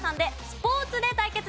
スポーツ対決。